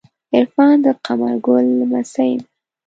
عرفان د قمر ګلی لمسۍ ده.